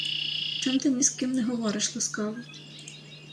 Чом ти ні з ким не говориш ласкаво?